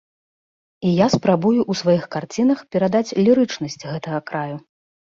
І я спрабую ў сваіх карцінах перадаць лірычнасць гэтага краю.